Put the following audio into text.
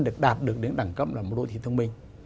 được đến đẳng cấp là một đô thị thông minh